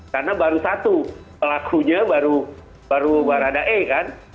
karena baru satu pelakunya baru baru baru ada e kan